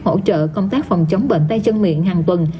hỗ trợ công tác phòng chống bệnh tay chân miệng hàng tuần